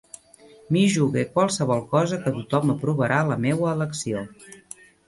M'hi jugue qualsevol cosa que tothom aprovarà la meua elecció.